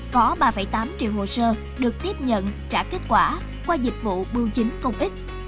có ba tám triệu hồ sơ được tiếp nhận trả kết quả qua dịch vụ bưu chính công ích